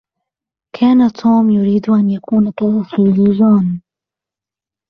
كان توم يريد أن يكون كأخيه جون.